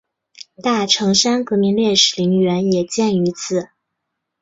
大城山革命烈士陵园也建于此。